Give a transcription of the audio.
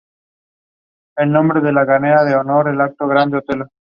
Con ayuda de un estilete seco, el operador seguía los contornos de un dibujo.